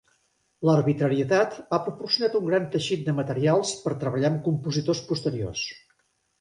L"arbitrarietat ha proporcionat un gran teixit de materials per treballar amb compositors posteriors.